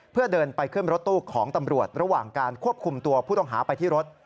เพื่อเดินไปขึ้นรถตู้ของตำรวจระหว่างการควบคุมตัวผู้ต้องหาไปที่รถ